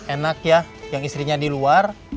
enak ya yang istrinya di luar